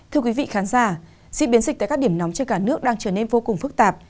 thưa quý vị khán giả diễn biến dịch tại các điểm nóng trên cả nước đang trở nên vô cùng phức tạp